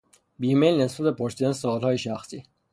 بیمیل نسبت به پرسیدن سوالهای شخصی